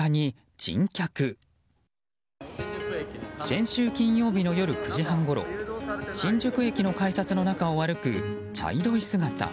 先週金曜日の夜９時半ごろ新宿駅の改札の中を歩く茶色い姿。